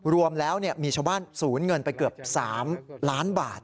รวมแล้วมีชาวบ้านสูญเงินไปเกือบ๓ล้านบาท